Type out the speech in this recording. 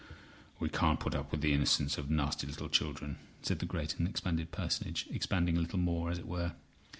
"We can't put up with the innocence of nasty little children," said the great and expanded personage, expanding a little more, as it were.